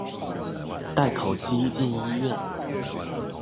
帶烤雞進醫院